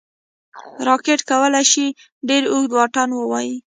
راکټ کولی شي ډېر اوږد واټن ووايي